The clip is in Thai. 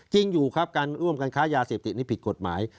จริงอยู่ครับการร่วมกันค้ายาเสพติดนี่ผิดกฎหมาย